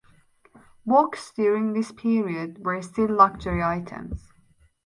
Books during this period were still luxury items.